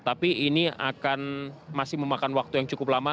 tapi ini akan masih memakan waktu yang cukup lama